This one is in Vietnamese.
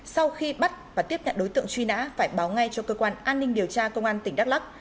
sau khi bắt và tiếp nhận đối tượng truy nã phải báo ngay cho cơ quan an ninh điều tra công an tỉnh đắk lắc